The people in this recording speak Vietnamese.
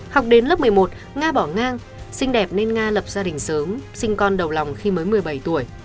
học đến lớp một mươi một nga bỏ ngang xinh đẹp nên nga lập gia đình sớm sinh con đầu lòng khi mới một mươi bảy tuổi